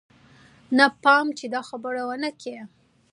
نه پام چې دا خبره ونه کې.